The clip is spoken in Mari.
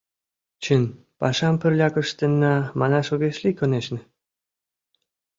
Чын, пашам пырляк ыштенна, манаш огеш лий, конешне.